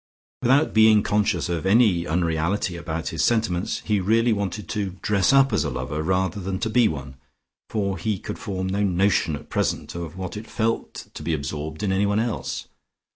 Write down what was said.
Without being conscious of any unreality about his sentiments, he really wanted to dress up as a lover rather than to be one, for he could form no notion at present of what it felt to be absorbed in anyone else.